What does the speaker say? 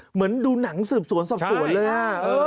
เหมือนดูหนังสืบสวนสอบสวนเลย